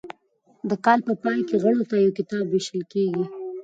د کال په پای کې غړو ته یو کتاب ویشل کیږي.